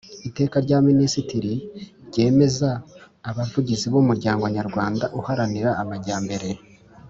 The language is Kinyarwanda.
Iteka rya Minisitiri ryemeza Abavugizi b Umuryango Nyarwanda Uharanira Amajyambere